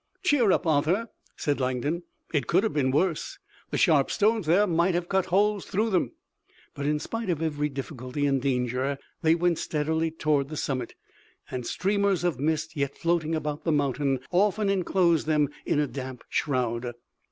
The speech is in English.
"Cheer up, Arthur," said Langdon, "it could have been worse. The sharp stones there might have cut holes through them." But in spite of every difficulty and danger they went steadily toward the summit, and streamers of mist yet floating about the mountain often enclosed them in a damp shroud.